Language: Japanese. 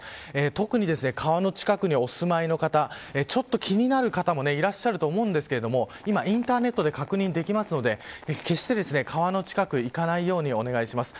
特に、川の近くにお住まいの方ちょっと気になる方もいらっしゃると思うんですけれども今、インターネットで確認できるので決して川の近くへ行かないようにお願いします。